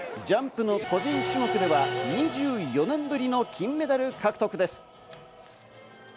ジャンプの個人種目では２４年ぶりの金メダル獲得です。